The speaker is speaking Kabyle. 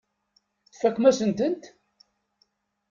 Tfakemt-asent-tent.